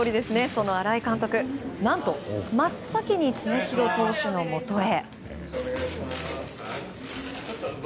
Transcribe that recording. その新井監督何と真っ先に常廣投手のもとへ。